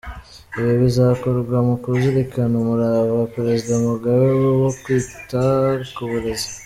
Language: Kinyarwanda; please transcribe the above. Ibi bikazakorwa mu kuzirikana umurava wa Perezida Mugabe wo kwita ku burezi.